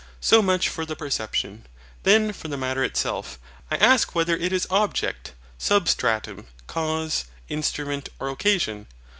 So much for the perception. Then for the Matter itself, I ask whether it is object, SUBSTRATUM, cause, instrument, or occasion?